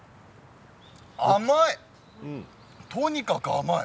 甘い！